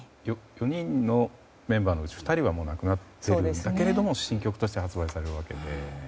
４人のメンバーのうち２人は亡くなっているんだけども新曲として発売されるわけで。